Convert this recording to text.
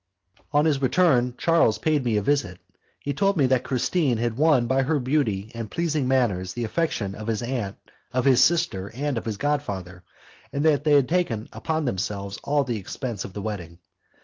On his return, Charles paid me a visit. He told me that Christine had won by her beauty and pleasing manners the affection of his aunt, of his sister, and of his god father, and that they had taken upon themselves all the expense of the wedding.